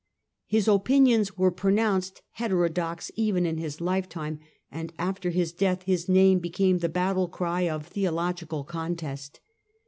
His opinions were pronounced heten > dox even in his lifetime, and after his death his name became the battle cry of theological contest.